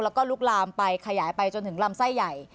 แล้วก็ลุกลามไปขยายไปจนถึงลำไส้ใหญ่